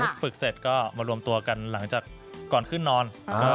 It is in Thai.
ฝึกเสร็จก็มารวมตัวกันหลังจากก่อนขึ้นนอน